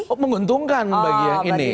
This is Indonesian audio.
oh menguntungkan bagi yang ini